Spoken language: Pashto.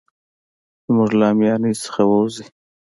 زموږ له اميانۍ څخه ووزي.